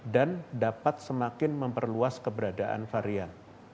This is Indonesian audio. dan dapat semakin memperluas keberadaan varian